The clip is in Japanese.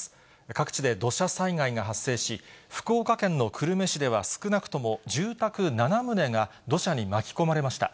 各地で土砂災害が発生し、福岡県の久留米市では、少なくとも住宅７棟が土砂に巻き込まれました。